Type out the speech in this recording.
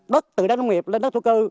đất từ đất nông nghiệp lên đất thuốc cư